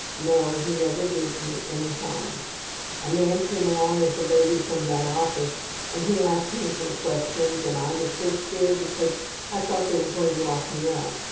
No, he never did me any harm. A man came along with a lady from that office and he asked me some questions and I was so scared because I thought they were going to lock me up.